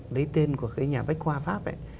lấy tên của cái nhà bách khoa pháp ấy